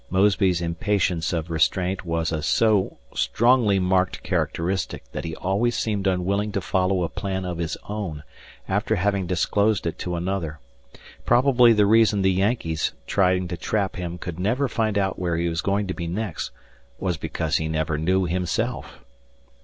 Mosby's impatience of restraint was a so strongly marked characteristic that he always seemed unwilling to follow a plan of his own, after having disclosed it to another. Probably the reason the "Yankees" trying to trap him could never find out where he was going to be next was because he never knew himself.